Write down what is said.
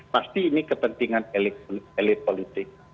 pasti ini kepentingan elit politik